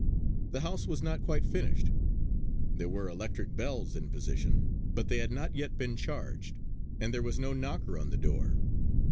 The house was not quite finished; there were electric bells in position, but they had not yet been charged, and there was no knocker on the door.